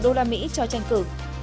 đô la mỹ cho tranh cử